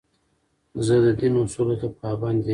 زه د دین اصولو ته پابند یم.